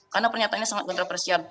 karena pernyataannya sangat kontroversial